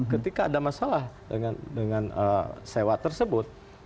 ketika ada masalah dengan sewa tersebut